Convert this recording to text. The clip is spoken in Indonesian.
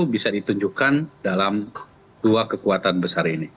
bisa ditunjukkan dalam dua kekuatan besar ini